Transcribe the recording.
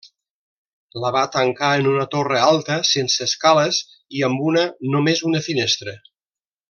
La va tancar en una torre alta sense escales i amb una només una finestra.